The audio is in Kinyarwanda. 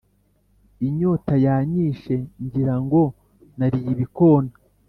inyota yanyishe ngirango nariye ibikona